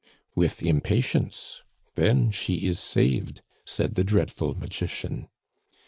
"With impatience! Then she is saved," said the dreadful magician.